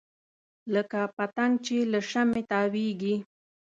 لکه پتنګ چې له شمعې تاویږي.